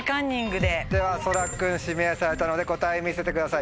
ではそら君指名されたので答え見せてください。